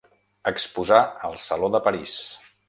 Exposà al Saló de París.